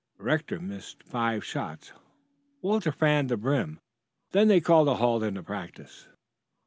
Rector missed five shots. Walter fanned the rim, then they called a halt in the practice.